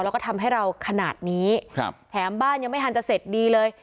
แล้วก็ทำให้เราขนาดนี้ครับแถมบ้านยังไม่ทันจะเสร็จดีเลย